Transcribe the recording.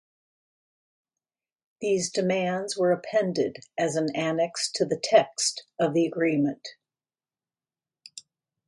These demands were appended as an annex to the text of the agreement.